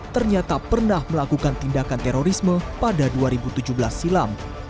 ternyata pernah melakukan tindakan terorisme pada dua ribu tujuh belas silam